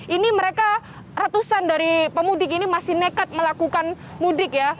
ini mereka ratusan dari pemudik ini masih nekat melakukan mudik ya